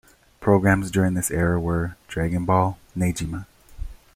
Programs during this era were "Dragon Ball", "Negima!